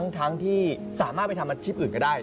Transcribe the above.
ทั้งที่สามารถไปทำอาชีพอื่นก็ได้